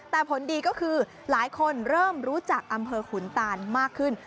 แต่ผลดีก็คือหลายคนเริ่มรู้จักอำเภอขุนตานมากขึ้น